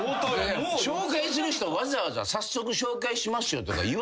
紹介する人をわざわざ「早速紹介しますよ」とか言わない。